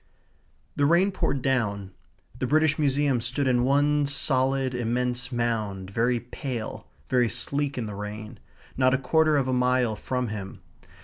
The rain poured down. The British Museum stood in one solid immense mound, very pale, very sleek in the rain, not a quarter of a mile from him.